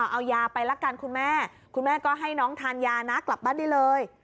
เอายาไปละกันคุณแม่คุณแม่ก็ให้น้องทานยานะกลับบ้านได้เลย